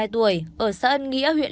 ba mươi hai tuổi ở xã ân nghĩa huyện